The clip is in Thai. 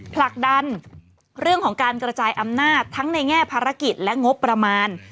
ผลักดันเรื่องของการกระจายอำนาจทั้งในแง่ภารกิจและงบประมาณ